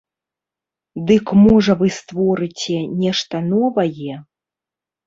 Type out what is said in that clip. Дык можа вы створыце нешта новае?